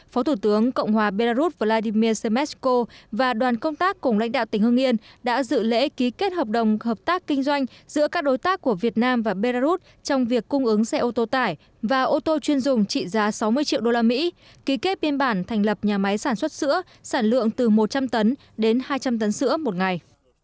phó thủ tướng cộng hòa belarus vladimir zemashko và đoàn công tác cùng lãnh đạo tỉnh hưng yên đã dự lễ ký kết hợp đồng hợp tác kinh doanh giữa các đối tác của việt nam và belarus trong việc cung ứng xe ô tô tải và ô tô chuyên dùng trị giá sáu mươi triệu usd ký kết biên bản thành lập nhà máy sản xuất sữa sản lượng từ một trăm linh tấn đến hai trăm linh tấn sữa một ngày